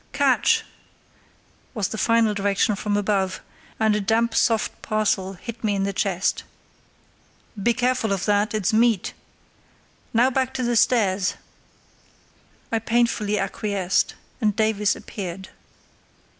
"Catch!" was the final direction from above, and a damp soft parcel hit me in the chest. "Be careful of that, it's meat. Now back to the stairs!" I painfully acquiesced, and Davies appeared.